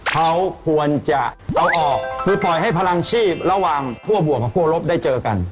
เขาควรจะเอาออกหรือปล่อยให้พลังชีพระหว่างคั่วบวกกับคั่วลบได้เจอกัน